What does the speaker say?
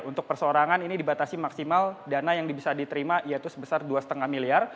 untuk persorangan ini dibatasi maksimal dana yang bisa diterima yaitu sebesar dua lima miliar